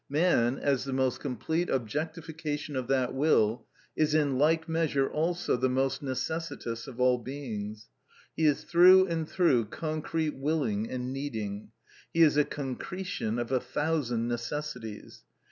Man, as the most complete objectification of that will, is in like measure also the most necessitous of all beings: he is through and through concrete willing and needing; he is a concretion of a thousand necessities.